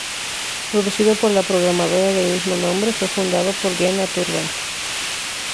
Producido por la programadora del mismo nombre, fue fundado por Diana Turbay.